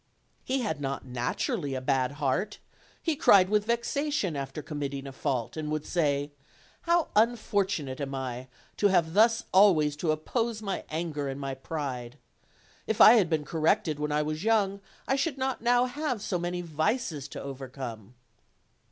He had not naturally a bad heart; he cried with vexation after committing a fault, and would say, "How unfortunate am I to have thus always to oppose my anger and my pride! if I had been corrected when I was young I should not now have so many vices to over come."